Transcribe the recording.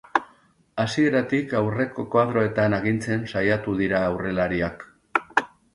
Hasieratik aurreko koadroetan agintzen saiatu dira aurrelariak.